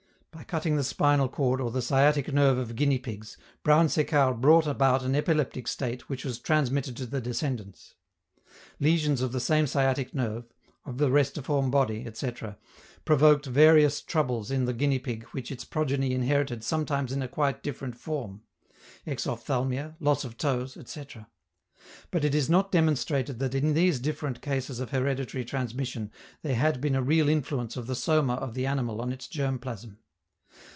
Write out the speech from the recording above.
By cutting the spinal cord or the sciatic nerve of guinea pigs, Brown Séquard brought about an epileptic state which was transmitted to the descendants. Lesions of the same sciatic nerve, of the restiform body, etc., provoked various troubles in the guinea pig which its progeny inherited sometimes in a quite different form: exophthalmia, loss of toes, etc. But it is not demonstrated that in these different cases of hereditary transmission there had been a real influence of the soma of the animal on its germ plasm.